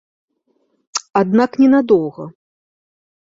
Аднак не на доўга.